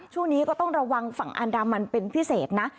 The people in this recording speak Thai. ช่วงนี้ก็ต้องระวังฝั่งอันดามันเป็นพิเศษนะ